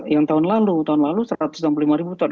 yang tahun lalu tahun lalu satu ratus enam puluh lima ribu ton